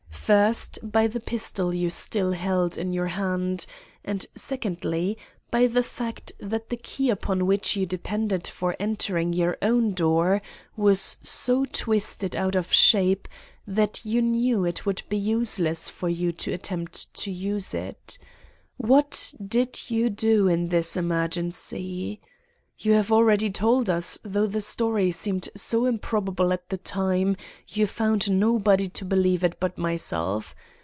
First, by the pistol you still held in your hand, and secondly, by the fact that the key upon which you depended for entering your own door was so twisted out of shape that you knew it would be useless for you to attempt to use it. What did you do in this emergency? You have already told us, though the story seemed so improbable at the time, you found nobody to believe it but myself.